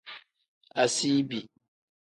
Asiibi.